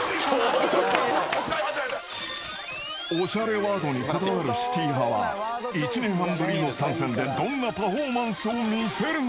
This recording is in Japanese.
［おしゃれワードにこだわるシティ派は１年半ぶりの参戦でどんなパフォーマンスを見せるのか？］